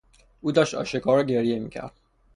او داشت آشکارا گریه میکرد.